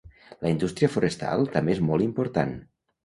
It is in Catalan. La indústria forestal també és molt important.